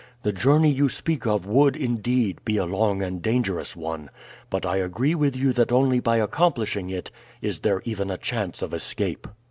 The journey you speak of would, indeed, be a long and dangerous one; but I agree with you that only by accomplishing it is there even a chance of escape."